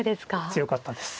強かったんです。